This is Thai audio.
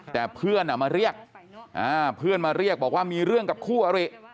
แต่เพื่อนมาเรียกบอกว่ามีเรื่องกับคู่อริ